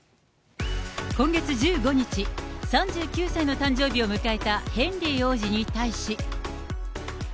今月１５日、３９歳の誕生日を迎えたヘンリー王子に対し。